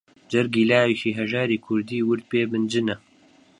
جەرگی لاوێکی هەژاری کوردی ورد پێ بنجنە